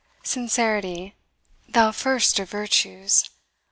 Sincerity, Thou first of virtues!